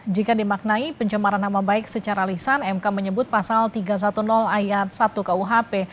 jika dimaknai pencemaran nama baik secara lisan mk menyebut pasal tiga ratus sepuluh ayat satu kuhp